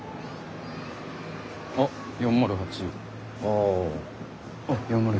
あっ４０８。